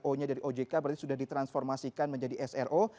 punya dari ojk berarti sudah ditransformasikan menjadi sro